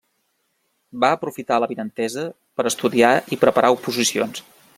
Va aprofitar l'avinentesa per estudiar i preparar oposicions.